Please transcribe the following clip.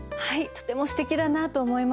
とてもすてきだなと思いました。